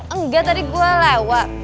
enggak tadi gue lewat